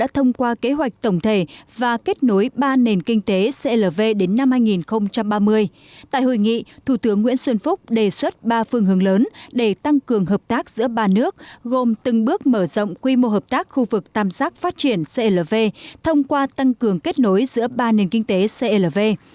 tại hội nghị thủ tướng nguyễn xuân phúc đề xuất ba phương hướng lớn để tăng cường hợp tác giữa ba nước gồm từng bước mở rộng quy mô hợp tác khu vực tạm giác phát triển clv thông qua tăng cường kết nối giữa ba nền kinh tế clv